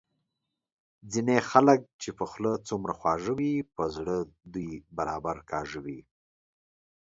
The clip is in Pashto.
ځینی خلګ چي په خوله څومره خواږه وي په زړه دوه برابره کاږه وي